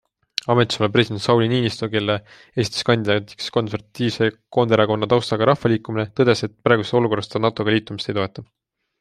Ametisolev president Sauli Niinistö, kelle esitas kandidaadiks konservatiivse Koonderakonna taustaga rahvaliikumine, tõdes, et praeguses olukorras ta NATO-ga liitumist ei toeta.